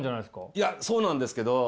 いやそうなんですけど。